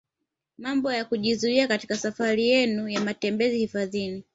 Mambo ya kujiuliza katika safari yenu ya matembezi hifadhini